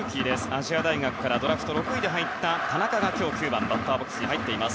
亜細亜大学からドラフト６位で入った田中が９番のバッターボックス。